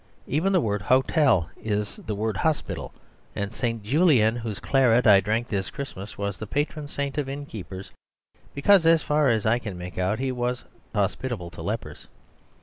Even the word "hotel" is the word hospital. And St. Julien, whose claret I drank this Christmas, was the patron saint of innkeepers, because (as far as I can make out) he was hospitable to lepers.